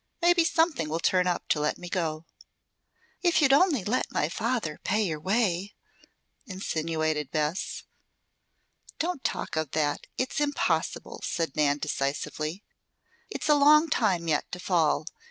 Maybe something will turn up to let me go." "If you'd let my father pay your way ?" insinuated Bess. "Don't talk of that. It's impossible," said Nan decisively. "It's a long time yet to fall.